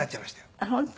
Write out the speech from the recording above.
あっ本当。